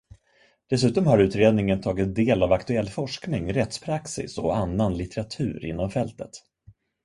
Dessutom har utredningen tagit del av aktuell forskning, rättspraxis och annan litteratur inom fältet.